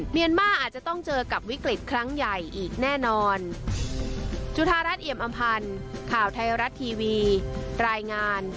เมียนมาอาจจะต้องเจอกับวิกฤตครั้งใหญ่อีกแน่นอน